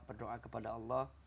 berdoa kepada allah